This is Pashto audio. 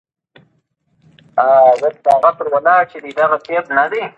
هغې ماده «راډیواکټیف» نوم کړه.